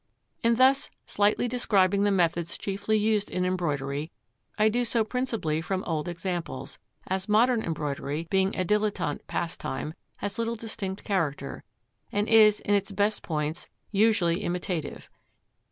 In thus slightly describing the methods chiefly used in embroidery, I do so principally from old examples, as modern embroidery, being a dilettante pastime, has little distinct character, and is, in its best points, usually imitative.